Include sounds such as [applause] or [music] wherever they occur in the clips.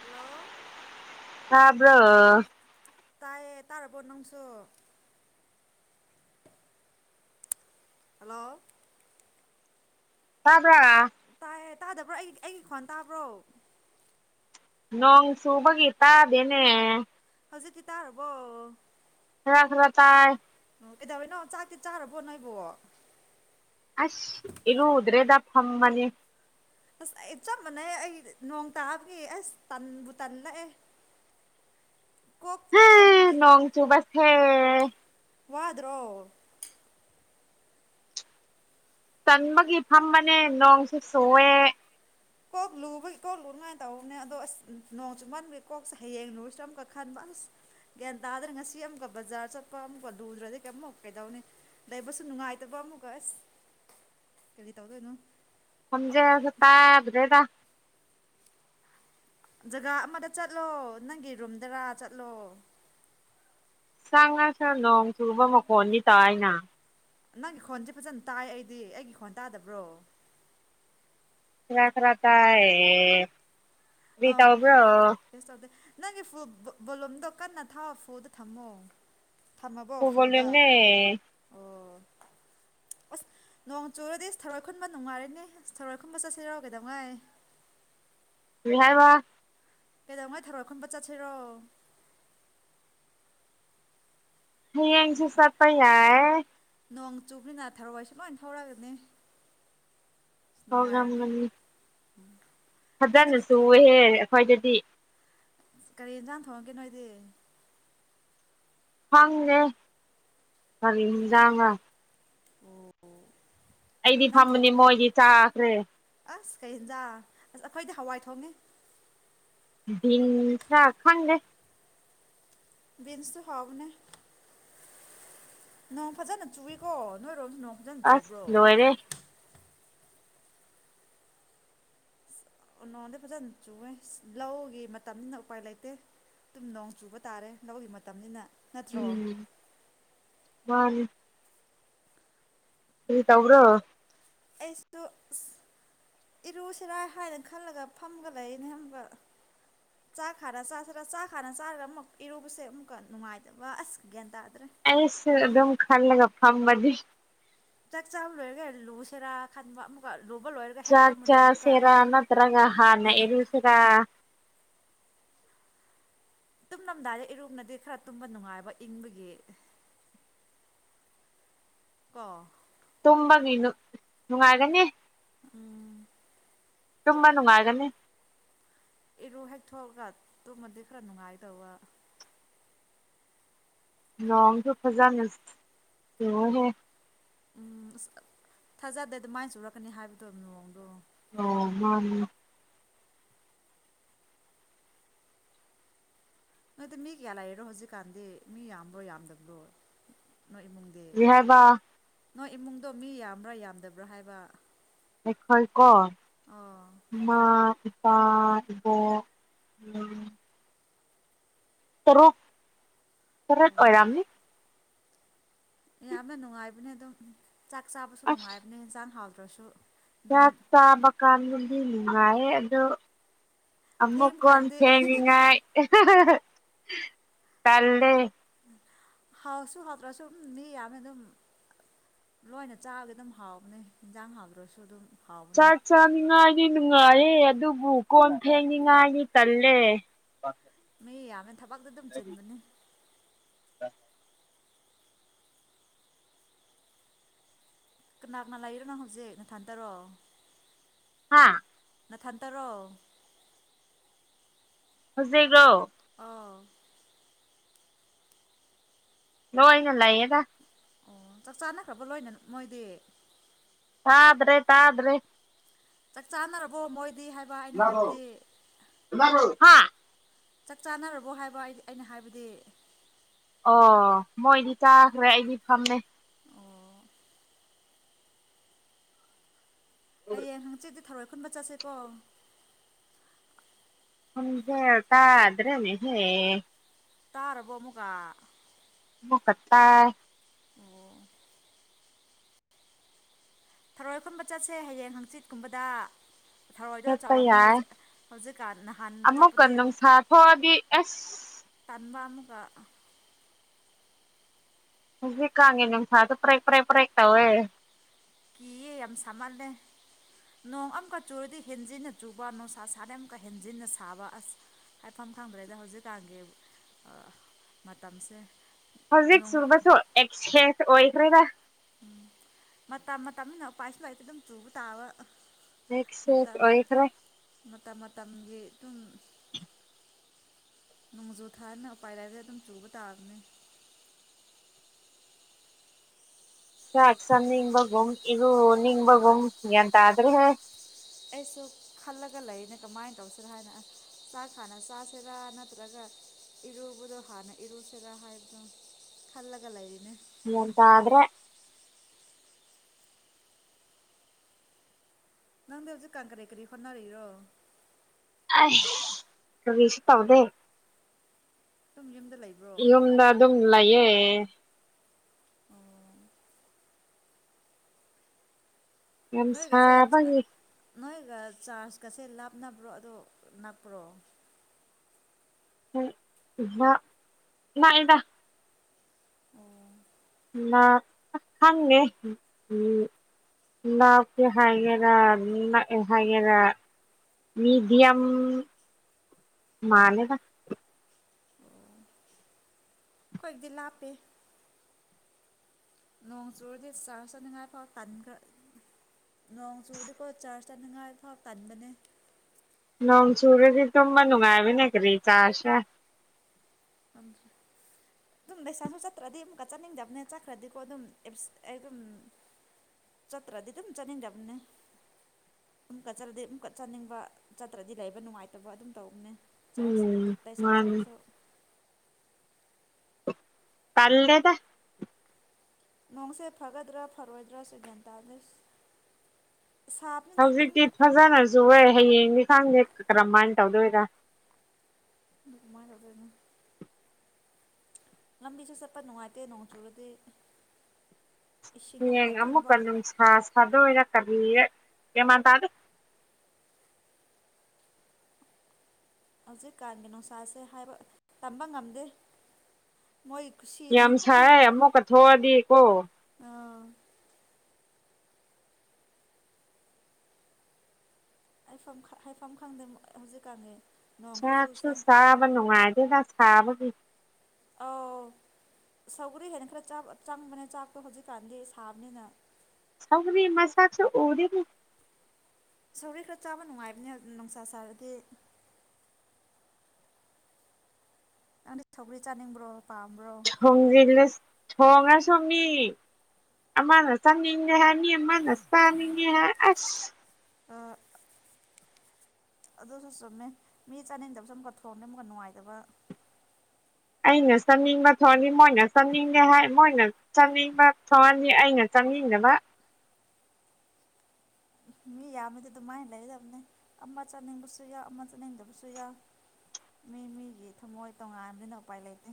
Hello ꯍꯥꯕ꯭ꯔꯣ ꯇꯥꯏꯌꯦ ꯇꯥꯔꯕꯣ ꯅꯪꯁꯨ ꯍꯜꯂꯣ [unintelligible] ꯇ ꯍꯦ ꯇꯥꯗꯕ꯭ꯔꯣ ꯑꯩ ꯑꯩꯒꯤ ꯈꯣꯟ ꯇꯥꯕ꯭ꯔꯣ ꯅꯣꯡꯪꯁꯨꯨꯕꯒꯤ ꯇꯗꯦꯅꯦ ꯍꯧꯖꯤꯛ ꯊꯤꯇꯥ ꯍꯕ ꯂꯇꯥꯥꯏ ꯎ ꯀꯩꯗꯧꯏꯩꯅꯣ ꯆꯥꯛꯇꯤ ꯆꯥꯔꯔꯕꯣꯠ ꯅ ꯍꯥꯏꯕꯣ ꯑꯁ ꯏꯂ ꯎꯗ꯭ꯔꯦꯗ ꯐꯃꯅꯤ ꯑꯁ ꯑꯩ ꯆꯞ ꯃꯥꯟꯅꯩ ꯑꯩ ꯅꯣꯡ ꯇꯥꯕꯒꯤ ꯑꯁ ꯇꯟꯕꯨ ꯇꯜꯂꯛꯑꯦ ꯀꯣꯛ ꯇꯨꯝꯒꯦ ꯂꯣꯡ ꯆꯨꯕꯁ ꯍꯝ ꯋꯥꯗ꯭ꯔꯣ ꯆꯟꯕꯒꯤ ꯐꯝꯕꯅꯦ ꯅꯣꯡꯁꯨ ꯁꯣꯛꯑꯦ ꯀꯣꯛ ꯂꯨꯕꯒꯤ ꯀꯣꯛ ꯂꯨꯉꯥꯏꯅ ꯇꯧꯕꯅꯦ ꯑꯗꯣ ꯑꯁ ꯅꯣꯡ ꯆꯨꯃꯟꯕꯒꯤ ꯀꯣꯛꯁꯦ ꯍꯌꯦꯡ ꯂꯨꯁꯨ ꯑꯃꯨꯛꯀ ꯈꯟꯕ ꯑꯁ ꯒ꯭ꯌꯥꯟ ꯇꯥꯗ꯭ꯔꯦ ꯉꯁꯤ ꯑꯃꯨꯀ ꯕꯖꯥꯔ ꯆꯠꯄ ꯑꯃꯨꯛꯀ ꯂꯨꯗ꯭ꯔꯗꯤ ꯀꯩꯝꯨꯛ ꯀꯩꯗꯧꯅꯤ ꯂꯩꯕꯁꯨ ꯅꯨꯡꯉꯥꯏꯇꯕ ꯑꯃꯨꯛꯀ ꯑꯁ ꯀꯔꯤ ꯇꯧꯗꯣꯏꯅꯣ ꯁꯖꯦ ꯑꯃꯨꯛꯀ ꯁ ꯇꯥꯏꯕꯗꯦꯗ ꯖꯒꯥ ꯑꯃꯗ ꯆꯠꯂꯣ ꯅꯪꯒꯤ ꯔꯨꯝꯗꯔꯥ ꯆꯠꯂꯣ ꯁꯪ ꯉꯁꯨ ꯅꯣꯡ ꯆꯨꯕ ꯃꯈꯣꯟꯗꯤ ꯇꯥꯅ ꯅꯪꯒꯤ ꯈꯣꯟꯁꯦ ꯐꯖꯅ ꯇꯥꯏ ꯑꯩꯗꯤ ꯑꯩꯒꯤ ꯈꯣꯟ ꯇꯥꯗꯕ꯭ꯔꯣ ꯈ ꯈꯔ ꯇꯑ ꯑꯥ ꯇ ꯑꯣꯕ꯭ꯔꯣ ꯀꯩꯁꯨ ꯇꯧꯗꯦ ꯅꯪꯒꯤ ꯕꯣꯂꯨꯝꯗꯣ ꯀꯟꯅ ꯊꯥ ꯐꯨꯗ ꯊꯝꯃꯣ ꯊꯝꯃꯕꯣ ꯐꯨꯜ ꯐꯣꯗ ꯚꯣꯂꯨꯝꯅꯦ ꯑꯣ ꯑꯁ ꯅꯣꯡ ꯆꯨꯔꯗꯤ ꯑꯁ ꯊꯔꯣꯏ ꯈꯨꯟꯕ ꯅꯨꯡꯉꯥꯏꯔꯤꯅꯦ ꯑꯁ ꯊꯔꯣꯏ ꯈꯨꯟꯕ ꯆꯠꯁꯤ ꯌꯥꯎ ꯀꯩꯗꯧꯉꯥꯏ ꯌꯥꯍ ꯋꯥ ꯀꯩꯗꯧꯉꯥꯏ ꯊꯧꯔꯈꯟꯕ ꯆꯠꯁꯤꯔꯣ ꯍ ꯌꯦꯡꯁꯨꯁꯄ ꯌꯥꯏ ꯅꯣꯡ ꯆꯨꯞꯅꯤꯅꯥ ꯊꯔꯑꯣꯏꯁꯨ ꯂꯣꯏ ꯊꯧꯔꯛꯒꯅꯤ ꯄꯣꯒ꯭ꯔꯝꯒꯅꯤ ꯎꯝ ꯍꯖꯅꯁꯨ ꯍꯦ ꯈ꯭ꯋꯥꯣꯏꯗꯗꯤ ꯀꯔꯤ ꯌꯦꯟꯖꯥꯡ ꯊꯣꯡꯉꯒꯦ ꯅꯣꯏꯗꯤ ꯐꯪꯦ ꯐꯔꯤꯖꯥꯡꯉ ꯑꯣ ꯑꯩꯗꯤ ꯐꯝꯕꯅꯦ ꯃꯣꯏꯗꯤ ꯆꯥ ꯇꯦ ꯑꯁ ꯀꯩꯦꯟꯖꯥ ꯑꯁ ꯑꯩꯈꯣꯏꯗꯤ ꯍꯋꯥꯏ ꯊꯣꯡꯉꯦ ꯤꯟꯁ ꯈꯪꯒꯦ ꯕꯤꯟꯁꯇ ꯍꯥꯎꯕꯅꯦ ꯅꯪ ꯐꯖꯅ ꯆꯨꯏꯀꯣ ꯅꯣꯏ ꯑꯁ ꯂꯣꯏꯔꯦ ꯅꯣꯡꯗꯤ ꯐꯖꯅ ꯆꯨꯋꯦ ꯂꯧꯒꯤ ꯃꯇꯝꯅꯤꯅ ꯎꯄꯥꯏ ꯂꯩꯇꯦ ꯇꯨꯝ ꯅꯣꯡ ꯆꯨꯕ ꯇꯥꯔꯦ ꯂꯧꯒꯤ ꯃꯇꯝꯅꯤꯅ ꯅꯠꯇ꯭ꯔꯣ ꯍꯅꯤ ꯁꯤꯔꯤ ꯇꯧꯕ꯭ꯔꯣ ꯑꯩꯁꯨ ꯑ ꯏꯔꯨꯁꯤꯔꯥ ꯍꯥꯏꯅ ꯈꯜꯂꯒ ꯐꯝꯒ ꯂꯩꯔꯤꯅꯦ ꯑꯃꯨꯛꯀ ꯆꯥꯛ ꯈ ꯆꯁꯤꯔ ꯆꯥꯛ ꯈꯥꯅ ꯆꯥꯔꯒ ꯑꯃꯨꯛ ꯏꯔꯨꯕꯁꯦ ꯑꯃꯨꯛꯀ ꯅꯨꯡꯉꯥꯏꯇꯕ ꯑꯁ ꯒ꯭ꯌꯥꯟ ꯇꯥꯔ ꯑꯩꯁꯨ ꯑꯗꯨꯝ ꯈꯜꯂꯒ ꯐꯝꯕꯗꯤ ꯆꯥꯛ ꯆꯥꯕ ꯂꯣꯏꯔꯒ ꯂꯨꯁꯦꯔꯥ ꯈꯟꯕ ꯑꯃꯨꯛꯀ ꯂꯨꯕ ꯂꯣꯏꯔꯒ ꯍꯦꯛ ꯆꯥꯛ ꯇꯨꯝꯃꯗꯤ ꯑꯃꯨꯛꯀ ꯆꯥꯁꯦꯔ ꯅꯠꯇ꯭ꯔꯒ ꯍꯥꯥꯟꯅ ꯌꯦꯁꯔꯥ ꯇꯨꯝꯂꯝꯗꯥꯏꯗ ꯏꯔꯨꯝꯅꯗꯤ ꯈꯔ ꯇꯨꯝꯕ ꯅꯨꯡꯉꯥꯏꯕ ꯏꯪꯕꯒꯤ ꯀꯥ ꯇꯨꯝꯕꯒꯤ ꯅꯨꯡꯉꯥꯏꯒꯅꯤ ꯎꯝ ꯇꯨꯝꯕ ꯅꯨꯡꯉꯥꯏꯒꯅꯤ ꯏꯔꯨ ꯍꯦꯛ ꯊꯣꯛꯑꯒ ꯇꯨꯝꯃꯗꯤ ꯈꯔ ꯅꯨꯡꯉꯥꯏꯗꯧꯕ ꯂꯣꯡꯣꯡꯁꯨ ꯐꯖꯅ ꯁꯍꯦ ꯎꯝ ꯑꯁ ꯊꯥꯖꯗꯦ ꯑꯗꯨ ꯃꯥꯏꯅ ꯆꯨꯔꯛꯀꯅꯤ ꯍꯥꯏꯕꯗꯣ ꯃꯑꯣꯡꯗꯣ ꯑꯣ ꯍ ꯑꯗꯨ ꯃꯤ ꯀꯌꯥ ꯂꯥꯛꯏꯔꯣ ꯍꯧꯖꯤꯛꯀꯥꯟꯗꯤ ꯃꯤ ꯌꯥꯝꯕ꯭ꯔꯣ ꯌꯥꯝꯗꯕ꯭ꯔꯣ ꯅꯣꯏ ꯏꯃꯨꯡꯗꯤ ꯍꯦꯕ ꯅꯣꯏ ꯏꯃꯨꯡꯗꯣ ꯃꯤ ꯌꯥꯝꯕ꯭ꯔꯥ ꯌꯥꯝꯗꯕ꯭ꯔꯥ ꯍꯥꯏꯕ ꯍꯣꯏ ꯀꯣ ꯑꯣ ꯃꯥ ꯄꯥꯔꯕꯣ ꯎꯝ ꯇꯔꯣꯛ ꯇꯠ ꯑꯣꯏꯔꯝꯅꯤ ꯑꯦ ꯌꯥꯝꯃꯦ ꯅꯅꯨꯡ ꯍꯥꯏꯅꯦꯗ ꯆꯥꯛ ꯆꯥꯕꯁꯨ ꯅꯨꯡꯉꯥꯏꯕ ꯆꯥꯟ ꯍꯥꯎ ꯇ꯭ꯔꯁꯨ ꯌꯥ ꯆ ꯀꯥꯟꯗꯗꯤ ꯅꯨꯡꯉꯥꯏꯌꯦ ꯑꯗꯣ ꯊꯦꯡꯕ ꯀꯥꯟꯗꯤ ꯑꯃꯀꯣꯦꯅꯤꯡꯉ ꯀꯦ ꯍꯥꯎꯁꯨ ꯍꯥꯎꯇ꯭ꯔꯁꯨꯝ ꯃꯤ ꯌꯥꯝꯅ ꯑꯗꯨꯝ ꯂꯣꯏꯅ ꯆꯥꯑꯒ ꯑꯗꯨꯝ ꯍꯥꯎꯕꯅꯤ ꯌꯦꯟꯖꯥꯡ ꯍꯥꯎꯇ꯭ꯔꯁꯨ ꯑꯗꯨꯝ ꯍꯥꯎꯕꯅꯦ ꯆꯥ ꯆ ꯗꯤ ꯅꯨꯡꯉꯥꯏꯔꯦ ꯑꯗꯨꯕꯨ ꯀꯣꯟ ꯊꯦꯡꯅꯤꯡꯉꯥꯏꯅꯤ ꯀꯜꯂꯦ [unintelligible] ꯊꯕꯛꯇ ꯑꯗꯨꯝ ꯆꯤꯟꯕꯅꯦ ꯑ ꯀꯅꯥ ꯀꯅꯥ ꯂꯩꯔꯣꯅꯣ ꯍꯧꯖꯤꯛ ꯅꯊꯟꯇꯔꯣ ꯍꯥꯥ ꯅꯊꯟꯇꯔꯣ ꯍꯧꯖꯤꯒ꯭ꯔꯣ ꯑꯥꯎ ꯂꯏ ꯉ ꯂꯏꯌꯦ ꯇ ꯑꯣ ꯆꯥꯛ ꯆꯥꯅꯈ꯭ꯔꯕ ꯂꯣꯏꯅ ꯃꯣꯏꯗꯤ ꯇꯥꯗ꯭ꯔꯦ ꯇꯥꯗ꯭ꯔꯦ ꯆꯥꯛ ꯆꯥꯅꯔꯕꯣ ꯃꯣꯏ ꯏꯔꯕꯣ ꯏꯔꯕꯣ ꯆꯥꯛ ꯆꯥꯅꯔꯕꯣ ꯍꯥꯏꯕ ꯑꯩ ꯑꯩꯅ ꯍꯥꯏꯕꯗꯤ ꯑꯣ ꯃꯣꯏꯗꯤ ꯇꯥꯈ꯭ꯔꯦ ꯑꯩꯗꯤ ꯐꯝꯅꯦ ꯑꯣ ꯑꯩꯪ ꯆ ꯊꯔꯣꯏ ꯈꯨꯟꯕ ꯆꯠꯁꯦꯀꯣ ꯍꯪꯖꯦꯇꯥꯗ꯭ꯔꯦꯅꯦ ꯍꯦ ꯇꯥꯔꯕꯣ ꯑꯃꯨꯛꯀ ꯐꯇꯥ ꯑꯣ ꯊꯔꯣꯏ ꯈꯨꯟꯕ ꯆꯠꯁꯦ ꯍꯌꯦꯡ ꯍꯪꯆꯤꯠꯀꯨꯝꯕꯗ ꯊꯧꯔꯣꯏꯗꯣ ꯆꯠꯄ ꯆꯥꯎꯔꯝꯅꯤ ꯌꯥꯏ ꯍꯧꯖꯤꯛ ꯍꯧꯖꯤꯛꯀꯥꯟ ꯅꯍꯥꯟ ꯑꯃꯨꯛꯀ ꯆꯠꯄꯗꯤ ꯅꯨꯡꯁꯥ ꯊꯣꯛꯑꯗꯤ ꯑꯁ ꯇꯟꯥꯟꯕ ꯑꯃ ꯀꯥꯛ ꯍꯧꯖꯤ ꯀꯥꯉꯦ ꯅꯤꯡꯁ ꯑꯗꯨ ꯄ꯭ꯔꯦꯛꯄ꯭ꯔꯦꯛ ꯄ꯭ꯔꯦ ꯇꯋꯦ ꯀꯤꯌꯦ ꯌꯥꯝ ꯁꯥꯃꯜꯂꯦ ꯅꯣꯡ ꯑꯃꯨꯛꯀ ꯆꯨꯔꯗꯤ ꯍꯦꯟꯖꯤꯟꯅ ꯆꯨꯕ ꯅꯨꯡꯁꯥ ꯁꯥꯗꯩ ꯑꯃꯨꯀ ꯍꯦꯟꯖꯤꯟꯅ ꯁꯥꯕ ꯑꯁ ꯍꯥꯏꯐꯝ ꯈꯪꯗ꯭ꯔꯦꯗ ꯍꯧꯖꯤꯛꯀꯥꯟꯒꯤ ꯃꯇꯝꯁꯦ ꯍꯧꯖꯤꯛ ꯁꯨꯕꯁꯨ ꯑꯦꯛꯁꯦꯁ ꯑꯣꯏ ꯅꯗ ꯎꯝ ꯃꯇꯝ ꯃꯇꯝꯅꯤꯅ ꯎꯄꯥꯏꯁꯨ ꯂꯥꯏꯔꯤꯛꯇ ꯑꯗꯨꯝ ꯆꯨꯕ ꯇꯥꯕ ꯑꯦꯁꯦ ꯃꯇꯝ ꯑꯩꯅꯤꯈꯔꯦ ꯃꯇꯝ ꯃꯇꯝꯒꯤ ꯑꯗꯨꯝ ꯅꯣꯡꯖꯨ ꯊꯥꯅ ꯎꯄꯥꯏ ꯂꯩꯥꯏꯔꯗ ꯑꯗꯨꯝ ꯆꯨꯕ ꯇꯥꯕꯅꯤ ꯁꯥꯥꯛꯁꯟ ꯅꯤꯡꯕꯒ ꯏꯒ ꯅꯤꯡꯕꯒ ꯌꯦꯇꯗ꯭ꯔꯦ ꯑꯩꯁꯨ ꯈꯜꯂꯒ ꯂꯩꯔꯤꯅꯦ ꯀꯃꯥꯏꯅ ꯇꯧꯁꯤꯔꯥ ꯍꯥꯏꯅ ꯆꯥꯛ ꯍꯥꯟꯅ ꯆꯥꯁꯤꯔꯥ ꯅꯠꯇ꯭ꯔꯒ ꯏꯔꯨꯕꯗꯣ ꯍꯥꯟꯅ ꯏꯔꯨꯁꯤꯦꯔꯥ ꯍꯥꯏꯕꯗꯣ ꯈꯜꯂꯒ ꯂꯩꯔꯤꯅꯦ ꯇꯗ꯭ꯔꯦ ꯅꯪꯗꯤ ꯍꯧꯖꯤꯛ ꯀꯥꯡ ꯀꯔꯦ ꯀꯔꯤ ꯍꯣꯠꯅꯔꯤꯔꯣ ꯔꯕꯤꯁ ꯇꯧꯗ ꯇꯨꯝꯖꯨꯝꯗ ꯌꯨꯝꯗ ꯑꯗꯨꯝ ꯂꯌꯦꯦ ꯑꯣ ꯌꯥꯝ ꯅꯣꯏꯒꯁꯦ ꯁꯥꯕꯉ ꯅꯣꯏꯒ ꯆꯥꯔꯖꯀꯁꯦ ꯂꯥꯞꯅꯕ꯭ꯔꯣ ꯑꯗꯣ ꯅꯛꯄ꯭ꯔꯣ ꯎ ꯉ ꯉꯑꯗ ꯎꯝ ꯈꯪꯉꯦ ꯎ ꯂꯞꯀ ꯍꯥꯏꯒꯦꯔꯥ ꯍꯥꯏꯒꯦꯔꯥ ꯃꯤꯦꯗꯤꯌꯝ ꯃꯥꯂꯦꯗ ꯑꯩꯈꯣꯏꯗꯤ ꯂꯥꯞꯄꯦ ꯅꯣꯡ ꯆꯨꯔꯗꯤ ꯆꯥꯔꯖ ꯆꯥꯅꯤꯡꯉꯥꯏ ꯐꯥꯎ ꯀꯟꯈ ꯅꯣꯡ ꯆꯨꯔꯗꯤꯀꯣ ꯆꯥꯔꯖ ꯆꯥꯅꯤꯡꯉꯥꯏ ꯐꯥꯎ ꯀꯟꯕꯅꯦ ꯅꯣꯡ ꯁꯨꯔꯗꯤ ꯇ ꯃꯅꯅꯨꯡꯉꯥꯏꯕꯤꯅꯦ ꯀꯔꯤ ꯆꯥꯁꯦ ꯑꯗꯨꯝ ꯂꯩꯁꯥꯁꯨ ꯆꯠꯇ꯭ꯔꯗꯤ ꯑꯃꯨꯛꯀ ꯆꯥꯅꯤꯡꯗꯕꯅꯦ ꯆꯠꯈ꯭ꯔꯗꯤꯀꯣ ꯑꯗꯨꯝ ꯑꯩ ꯑꯗꯨꯝ ꯆꯠꯇ꯭ꯔꯗꯤ ꯑꯗꯨꯝ ꯆꯠꯅꯤꯡꯗꯕꯅꯦ ꯑꯃꯨꯛꯀ ꯆꯠꯂꯗꯤ ꯑꯃꯨꯛꯀ ꯆꯥꯅꯤꯡꯕ ꯆꯠꯇ꯭ꯔꯗꯤ ꯂꯩꯕ ꯅꯨꯡꯉꯥꯏꯇꯕ ꯑꯗꯨꯝ ꯇꯧꯕꯅꯦ ꯆꯥꯁ ꯎꯝ ꯇꯩꯁ ꯆ ꯃꯥꯅꯦ ꯄꯁꯨ ꯀꯂꯦꯗ ꯅꯣꯡꯁꯦ ꯐꯒꯗ꯭ꯔꯥ ꯐꯔꯣꯏꯗ꯭ꯔꯥ ꯁꯦ ꯒꯦꯟꯇꯥꯂꯤꯁ ꯍꯧꯖꯤꯛꯇꯤ ꯐꯖꯅꯁꯨ ꯑꯣꯏ ꯍꯌꯦꯡ ꯊꯥꯡꯅꯦꯦ ꯀ ꯀꯃꯅꯤ ꯇꯧꯗ ꯑꯣꯏꯒ ꯃꯥꯔꯔꯕꯅ ꯂꯕꯤ ꯆꯁꯄ ꯅꯅꯨꯡꯉꯥꯏꯇ ꯅꯣꯡ ꯆꯨꯔꯗ ꯍꯌꯦꯡ ꯑꯃꯨꯛꯀ ꯑꯗꯨꯝ ꯁꯥ ꯁꯥꯗꯔ ꯀꯔꯤ ꯀꯃꯥꯟ ꯇ ꯑꯗꯨ ꯍꯧꯖꯤꯛꯀꯥꯟꯒꯤ ꯅꯨꯡꯁꯥꯁꯦ ꯍꯥꯏꯕ ꯇꯝꯕ ꯉꯝꯗꯦ ꯃꯣꯏ ꯈꯨꯁꯤꯅꯤ ꯌꯥꯝ ꯁꯥꯏꯦ ꯑꯃꯨꯛ ꯀꯠꯊꯣꯛꯑꯗꯤ ꯑꯣꯣ ꯍꯥꯏꯥꯏꯐꯝ ꯈꯪꯗ ꯍꯧꯖꯤꯛꯀꯥꯟꯅꯤ ꯆꯥꯛꯁꯨ ꯆꯥꯕ ꯅꯨꯡꯉꯥꯏꯗꯦ ꯁꯥꯥꯕꯕꯤ ꯑꯧ ꯁꯧꯒꯔꯤ ꯍꯦꯟꯅ ꯈꯔ ꯆꯪꯕꯅꯦ ꯆꯥꯛꯇꯣ ꯍꯧꯖꯤꯛꯀꯥꯟꯗꯤ ꯁꯥꯕꯅꯤꯅ ꯁꯒꯕꯤ ꯃꯁꯁꯨ ꯎꯗꯤꯗꯤ ꯁꯧꯔꯤ ꯈꯔ ꯆꯥꯕ ꯅꯨꯡꯉꯥꯏꯕꯅꯤ ꯅꯨꯡꯁꯥ ꯁꯥꯔꯗꯤ ꯑꯪꯅ ꯊꯧꯒ꯭ꯔꯤ ꯆꯥꯅꯤꯡꯕ꯭ꯔꯣ ꯄꯥꯝꯕ꯭ꯔꯣ ꯍꯣꯝ ꯖꯤꯅꯦꯁ ꯊꯣꯡꯉꯁꯨ ꯃꯤ ꯑꯃꯅ ꯆꯥꯅꯤꯡꯉꯦ ꯍꯥꯏ ꯃꯤ ꯑꯃꯅ ꯆꯥꯅꯤꯡꯉꯦ ꯍꯥꯏ ꯑꯁ ꯑ ꯑꯗꯨꯁꯨ ꯆꯨꯝꯃꯦ ꯃꯤ ꯆꯥꯅꯤꯡꯗꯕꯁꯨ ꯑꯃꯨꯛꯀ ꯊꯣꯡꯝꯅꯦ ꯑꯃꯨꯛꯀ ꯅꯨꯡꯉꯥꯏꯇꯕ ꯑꯩꯅ ꯆꯥꯅꯤꯡꯕ ꯊꯣꯛꯑꯅꯤ ꯃꯣꯏꯅ ꯆꯥꯅꯤꯡꯗꯦ ꯍꯥꯏ ꯃꯣꯏꯅ ꯆꯥꯅꯤꯡꯕ ꯊꯣꯛꯑꯅꯤ ꯑꯩꯅ ꯆꯥꯅꯤꯡꯗꯕ ꯃꯤ ꯌꯥꯝꯕꯗꯤ ꯑꯗꯨꯃꯥꯏꯅ ꯂꯩꯒꯗꯕꯅꯤ ꯑꯃ ꯆꯠꯅꯤꯡꯕꯁꯨ ꯌꯥꯎ ꯑꯃ ꯆꯠꯅꯤꯡꯗꯕꯁꯨ ꯌꯥꯎ ꯃꯤ ꯃꯤꯒꯤ ꯊꯃꯣꯏ ꯇꯣꯉꯥꯟꯕꯥꯟꯕꯅꯤꯅ ꯎꯄꯥꯏ ꯂꯩꯇꯦ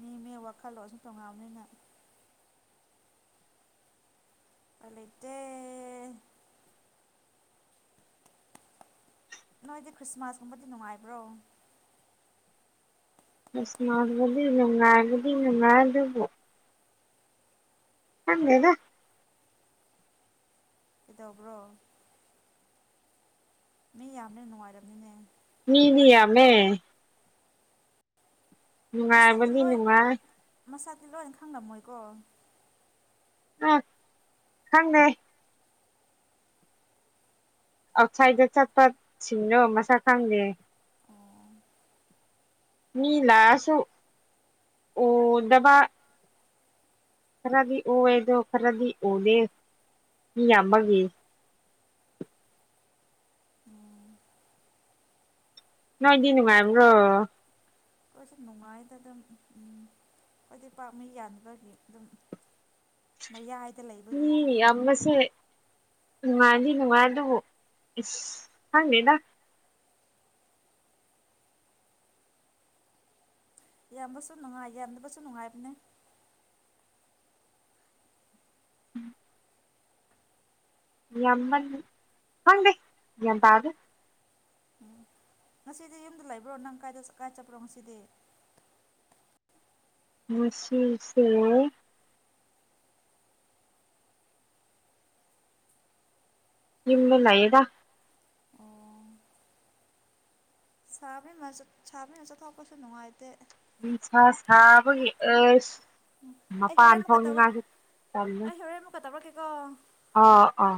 ꯃꯤ ꯃꯤ ꯋꯥꯈꯜꯂꯣꯟꯁꯨ ꯇꯣꯉꯥꯟꯕꯅꯤꯅ꯫ ꯎꯄꯥꯏꯂꯩꯇꯦ꯫ ꯅꯣꯏꯗꯤ ꯈ꯭ꯔꯤꯁꯃꯥꯁꯀꯨꯝꯕꯗꯤ ꯅꯨꯡꯉꯥꯏꯕ꯭ꯔꯣ꯫ ꯑꯁ ꯁ꯭ꯅꯥꯕꯗꯤ ꯅꯨꯡꯉꯥꯏꯕꯗꯤ ꯅꯨꯉꯥꯏ ꯑꯗꯨꯕꯨ꯫ ꯈꯪꯗꯦꯗ꯫ ꯀꯩꯗꯧꯕ꯭ꯔꯣ꯫ ꯃꯤ ꯌꯥꯝꯅꯤꯅ ꯅꯨꯡꯉꯥꯏꯔꯝꯅꯤꯅꯦꯡ ꯃꯤꯗꯤꯌꯥꯃꯦ꯫ ꯅꯨꯡꯉꯥꯏꯕꯗꯤ ꯅꯨꯡꯉꯥꯏ꯫ ꯇꯤ ꯂꯣꯏꯅ ꯈꯪꯂꯝꯃꯣꯏꯀꯣ꯫ ꯎ ꯈꯪꯗꯦ꯫ ꯑꯥꯎꯠꯁꯥꯏꯗ ꯆꯠꯄ ꯁꯤꯡꯅꯣ ꯃꯁꯛ ꯈꯪꯗꯦ꯫ ꯑꯣ ꯃꯤꯂꯥꯑꯁꯨ ꯎꯗꯕꯥ꯫ ꯈꯔꯗꯤ ꯎꯋꯦꯗꯣ ꯈꯔꯗꯤ ꯎꯗꯦ ꯃꯤ ꯌꯥꯝꯕꯒꯤ꯫ ꯎꯝ ꯉꯣꯏꯗꯤ ꯅꯨꯉꯥꯏꯕ꯭ꯔꯣ꯫ ꯑꯩꯈꯣꯏꯁꯨ ꯅꯨꯡꯉꯥꯏꯗ ꯗꯨꯝ ꯎꯝ ꯈꯣꯏꯗꯤ ꯄꯥꯛ ꯃꯤ ꯌꯥꯝꯗꯕꯒꯤ ꯑꯗꯨꯝ ꯃꯌꯥꯏ꯫ ꯃꯤ ꯌꯥꯝꯕꯁꯦ꯫ ꯅꯨꯡꯉꯥꯏꯗꯤ ꯅꯨꯡꯉꯥꯏ ꯑꯗꯨ ꯏꯁ ꯈꯪꯗꯦꯗ꯫ ꯌꯥꯝꯕꯁꯨ ꯅꯨꯡꯉꯥꯏ ꯌꯥꯝꯗꯕꯁꯨ ꯅꯨꯡꯉꯥꯏꯕꯅꯦ꯫ ꯌꯥꯝꯃꯜ ꯈꯪꯗꯦ ꯒ꯭ꯌꯥꯟꯇꯥꯗꯦ꯫ ꯉꯁꯤꯗꯤ ꯌꯨꯝꯗ ꯂꯩꯕ꯭ꯔꯣ ꯅꯪ ꯀꯥꯏꯗ ꯀꯥꯏ ꯆꯠꯄ꯭ꯔꯣ ꯉꯁꯤꯗꯤ꯫ ꯉꯁꯤꯁꯦ꯫ ꯌꯨꯝꯗ ꯂꯩꯌꯦꯗꯥ꯫ ꯁꯥꯕꯤꯃ ꯁꯥꯕꯤꯅ ꯆꯠꯊꯣꯛꯄꯁꯨ ꯅꯨꯡꯉꯥꯏꯇꯦ꯫ ꯅꯨꯡꯁꯥ ꯁꯥꯕꯒꯤ ꯑꯁ꯫ ꯑꯩ ꯃꯄꯥꯟ ꯍꯣꯔꯦꯟ ꯑꯃꯨꯀ ꯇꯧꯔ ꯊꯣꯛꯅꯤꯡꯉꯥꯏꯁꯨ ꯇꯜꯂꯦ ꯑꯩ ꯍꯣꯔꯦꯟ ꯑꯃꯨꯀ ꯇꯧꯔꯛ ꯀꯦ꯫ ꯑꯥ ꯑꯥ꯫